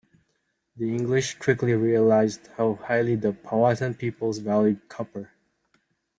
The English quickly realized how highly the Powhatan peoples valued copper.